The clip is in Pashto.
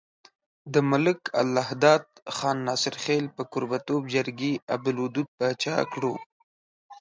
د ملک الله داد خان ناصرخېل په کوربه توب جرګې عبدالودو باچا کړو۔